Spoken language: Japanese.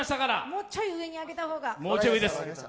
もうちょい上に上げた方が。